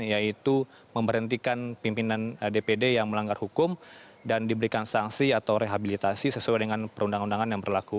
yaitu memberhentikan pimpinan dpd yang melanggar hukum dan diberikan sanksi atau rehabilitasi sesuai dengan perundang undangan yang berlaku